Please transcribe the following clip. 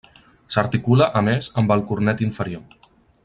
S'articula, a més, amb el cornet inferior.